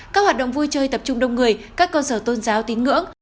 các hoạt động vui chơi tập trung đông người các cơ sở tôn giáo tín ngưỡng